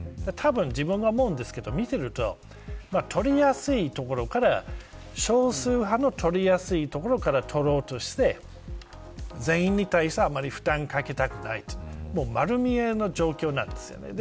自分が思うに、見てると取りやすいところから少数派の取りやすいところから取ろうとして全員に対してあまり負担をかけたくないと丸見えの状況なんですよね。